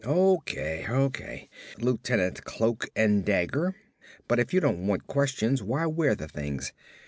"O.K., O.K., Lieutenant Cloak and Dagger, but if you don't want questions why wear the things?